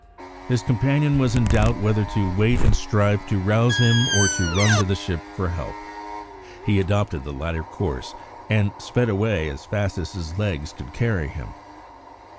His companion was in doubt whether to wait and strive to rouse him, or to run to the ship for help. He adopted the latter course, and sped away as fast as his legs could carry him.